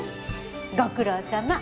ご苦労さま。